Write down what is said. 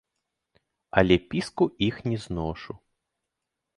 Але піску іх не зношу.